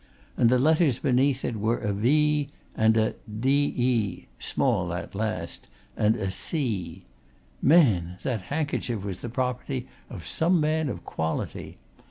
And the letters beneath it were a V and a de small, that last and a C. Man! that handkerchief was the property of some man of quality!